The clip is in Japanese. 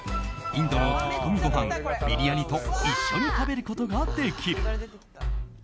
インドの炊き込みご飯ビリヤニと一緒に食べることができる。